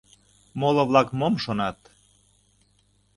Моло-влак мом шонат?